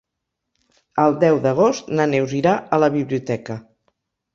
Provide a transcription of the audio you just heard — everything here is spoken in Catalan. El deu d'agost na Neus irà a la biblioteca.